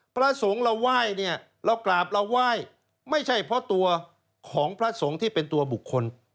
พระสงฆ์เราไหว้เนี่ยเรากราบเราไหว้ไม่ใช่เพราะตัวของพระสงฆ์ที่เป็นตัวบุคคล